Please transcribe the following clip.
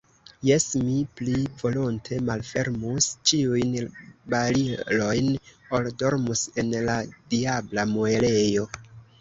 Jes, mi pli volonte malfermus ĉiujn barilojn, ol dormus en la diabla muelejo.